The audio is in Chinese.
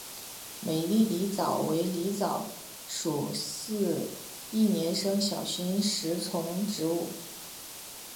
美丽狸藻为狸藻属似一年生小型食虫植物。